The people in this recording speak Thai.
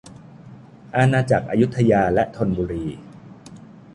อาณาจักรอยุธยาและธนบุรี